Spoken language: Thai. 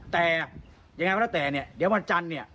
แต่อย่างไรว่าแต่เดี๋ยววันจันทร์